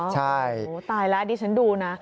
ใช่ตายแล้วดิฉันดูนะ